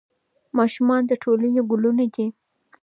ماشومان د ټولنې ګلونه دي.